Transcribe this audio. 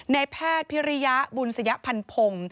ในแพทย์พิริยบุญสยพันธุ์พรหม